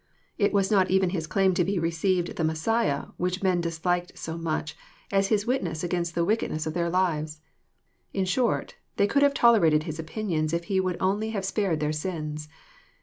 It was not even His claim to be received the Messiah which men disliked so much, as His witness against the wickedness of their lives. In short, they could have tolerated His opinions if He would only have spared their sins.